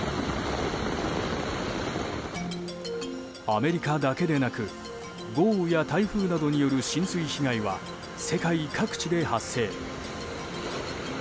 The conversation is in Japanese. アメリカだけでなく豪雨や台風などによる浸水被害は世界各地で発生。